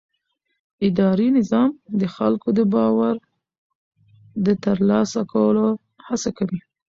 اداري نظام د خلکو د باور د ترلاسه کولو هڅه کوي.